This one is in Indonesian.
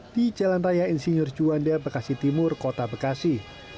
di jalan raya insinyur juanda bekasi timur kota bekasi